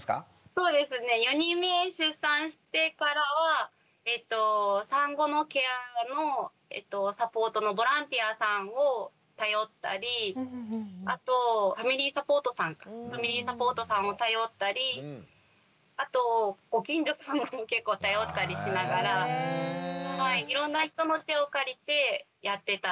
そうですね４人目出産してからは産後のケアのサポートのボランティアさんを頼ったりあとファミリーサポートさんファミリーサポートさんを頼ったりあとご近所さんも結構頼ったりしながらいろんな人の手を借りてやってたって感じがします。